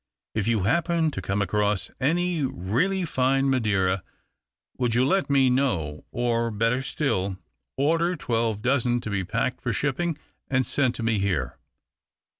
If you happen to come across any really fine madeira, would you let me know, or better still, order twelve dozen to be packed for shipping and sent to me here.